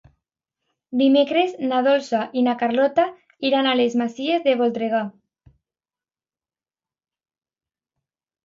Dimecres na Dolça i na Carlota iran a les Masies de Voltregà.